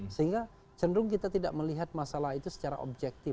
sehingga cenderung kita tidak melihat masalah itu secara objektif